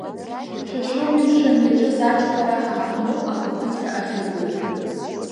Шәа шәоуми, мшәан, иаҿыз аҽхәара, ҳа ҳаҟноуп ахақәиҭра ахьыҟоу ҳәа?!